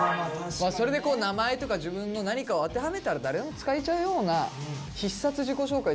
それで名前とか自分の何かを当てはめたら誰でも使えちゃうような必殺自己紹介